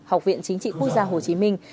học viện chính trị quốc gia hồ chí minh